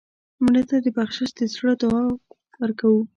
مړه ته د بخشش د زړه دعا ورکوو